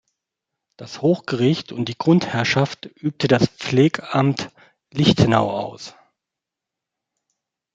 Das Hochgericht und die Grundherrschaft übte das Pflegamt Lichtenau aus.